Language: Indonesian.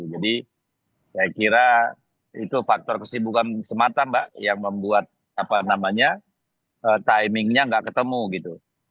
jadi saya kira itu faktor kesibukan semata mbak yang membuat timingnya nggak ketemu gitu